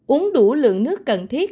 uống đủ lượng nước cần thiết